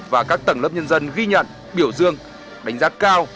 và các tầng lớp nhân dân ghi nhận biểu dương đánh giá cao